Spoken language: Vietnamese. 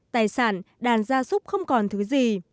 tài sản đàn gia súc không còn thứ gì